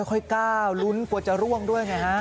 ก้าวลุ้นกลัวจะร่วงด้วยไงฮะ